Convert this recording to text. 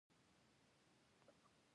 ښخ شوي رازونه یو وخت بربنډېږي.